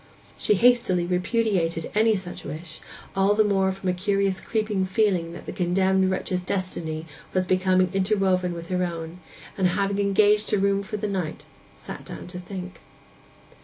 She hastily repudiated any such wish, all the more from a curious creeping feeling that the condemned wretch's destiny was becoming interwoven with her own; and having engaged a room for the night, sat down to think.